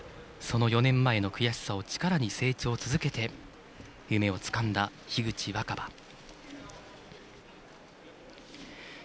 その４年前の悔しさを力に成長を続けて夢をつかんだ、樋口新葉。